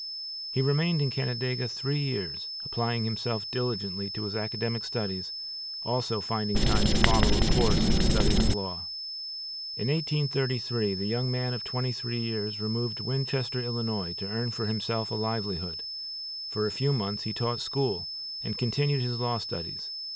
He remained in Canandaigua three years, applying himself diligently to his academic studies, also finding time to follow a course in the study of law. In 1833 the young man of twenty three years removed to Winchester, Ill., to earn for himself a livelihood. For a few months he taught school and continued his law studies.